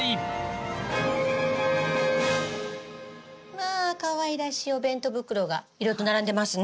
まあかわいらしいお弁当袋がいろいろと並んでますね。